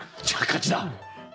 じゃあ勝ちだ。